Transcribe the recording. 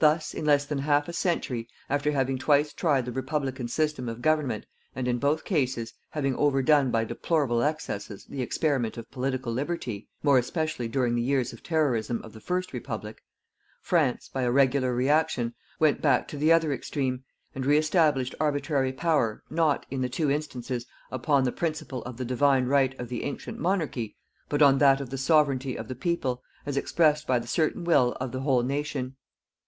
Thus, in less than half a century, after having twice tried the Republican system of government, and, in both cases, having overdone by deplorable excesses the experiment of Political Liberty more specially during the years of terrorism of the first Republic France, by a regular reaction, went back to the other extreme, and reestablished arbitrary power not, in the two instances, upon the principle of the Divine Right of the ancient Monarchy, but on that of the Sovereignty of the people, as expressed by the certain will of the whole nation.